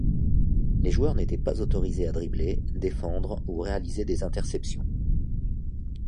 Les joueurs n'étaient pas autorisées à dribbler, défendre ou réaliser des interceptions.